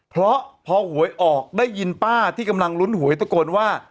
เพราะพอหวยออกได้ยินป้าที่กำลังลุ้นหวยตะโกนว่า